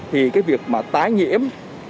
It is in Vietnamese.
thì cái việc mà tái nhiễm